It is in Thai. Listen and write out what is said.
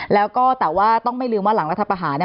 แล้วก็แต่ว่าต้องไม่ลืมว่าหลังรัฐประหารเนี่ย